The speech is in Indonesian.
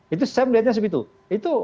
itu saya melihatnya segitu itu